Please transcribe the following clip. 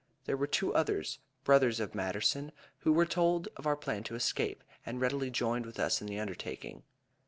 There were two others brothers of Matterson who were told of our plan to escape, and readily joined with us in the undertaking.